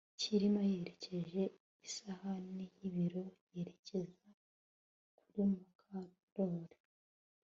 Kirima yerekeje isahani yibiryo yerekeza kuri Mukandoli